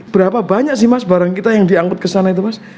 berapa banyak sih mas barang kita yang diangkut ke sana itu mas